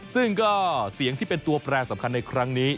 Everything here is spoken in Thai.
ซึ่งก็เสียงที่เป็นตัวแปรสำคัญในครั้งนี้